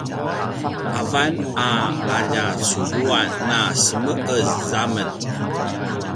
avan a alja culjuan na semekez a men